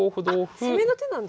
あ攻めの手なんだこれ。